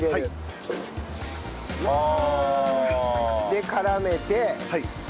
で絡めて。